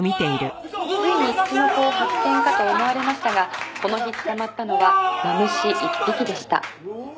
「ついにツチノコを発見かと思われましたがこの日捕まったのはマムシ１匹でした」